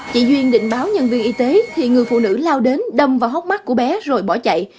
chị duyên định báo nhân viên y tế thì người phụ nữ lao đến đâm vào hốc mắt của bé rồi bỏ chạy